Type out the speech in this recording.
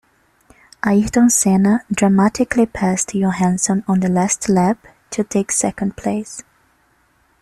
Ayrton Senna dramatically passed Johansson on the last lap to take second place.